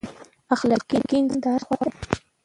اخلاقي انسان د هر چا خوښ وي.